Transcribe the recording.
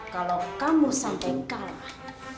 kalau kamu sampai kalah